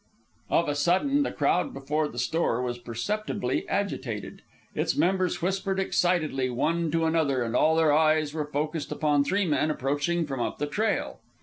Of a sudden, the crowd before the store was perceptibly agitated. Its members whispered excitedly one to another, and all their eyes were focussed upon three men approaching from up the trail.